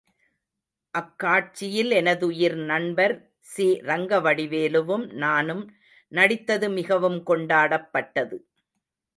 அக் காட்சியில் எனதுயிர் நண்பர் சி.ரங்கவடிவேலுவும் நானும் நடித்தது மிகவும் கொண்டாடப்பட்டது.